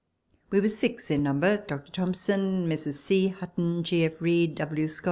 We were six in number Dr. Thomson, Messrs C. Hutton, G. F. Read, W.